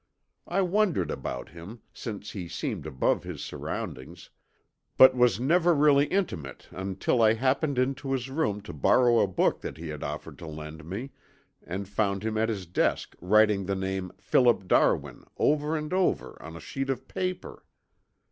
I wondered about him, since he seemed above his surroundings, but never was really intimate until I happened into his room to borrow a book that he had offered to lend me and found him at his desk writing the name Philip Darwin over and over on a sheet of paper.